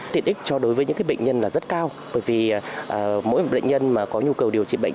tiện ích cho đối với những bệnh nhân là rất cao bởi vì mỗi bệnh nhân mà có nhu cầu điều trị bệnh